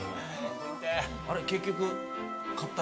あれ結局。